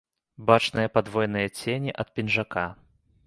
Бачныя падвойныя цені ад пінжака.